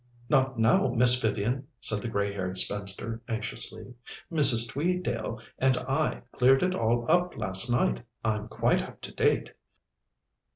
"Not now, Miss Vivian," said the grey haired spinster anxiously. "Mrs. Tweedale and I cleared it all up last night; I'm quite up to date."